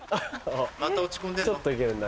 また落ち込んでんの？